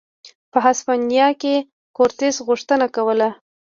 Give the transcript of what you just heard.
په هسپانیا کې کورتس غوښتنه کوله.